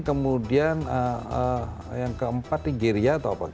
kemudian yang keempat nigeria